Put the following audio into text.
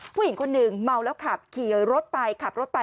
ผู้หญิงคนหนึ่งเมาแล้วขับขี่รถไปขับรถไป